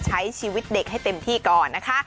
ใช้ชีวิตเด็กให้เต็มที่ก่อนนะคะ